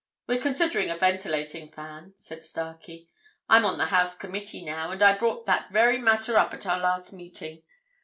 "We're considering a ventilating fan," said Starkey. "I'm on the house committee now, and I brought that very matter up at our last meeting.